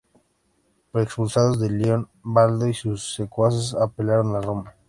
Pero, expulsados de Lyon, Valdo y sus secuaces apelaron a Roma.